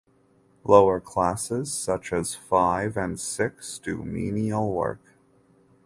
Lower classes such as Five and Six do menial work.